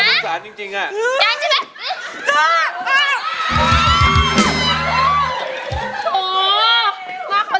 ยังต้องน่าใจสนทนตรีของเราด้วยค่ะทุกคน